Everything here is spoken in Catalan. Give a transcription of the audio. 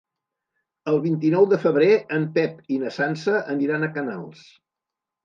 El vint-i-nou de febrer en Pep i na Sança aniran a Canals.